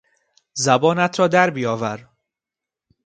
زبانت را در بیاور.